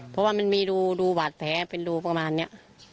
เพราะว่ามันมีรูบาดแผลเป็นรูประมาณนี้